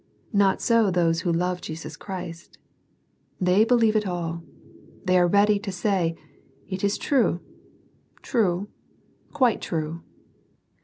Not so those who love Jesus Christ, — ^they believe it all j they are ready to say, It is true, true, quite true.